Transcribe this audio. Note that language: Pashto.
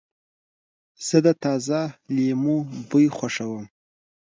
زه د تازه لیمو بوی خوښوم.